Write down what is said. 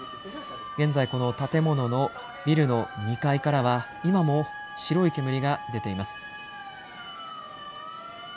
現在、この建物のビルの２階からは今も白い煙が出ています。